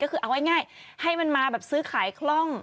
ก็คือเอาง่ายให้มันมาแบบซื้อขายคล่อง